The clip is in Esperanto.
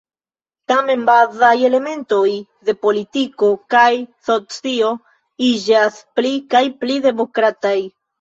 Tamen bazaj elementoj de politiko kaj socio iĝas pli kaj pli demokrataj.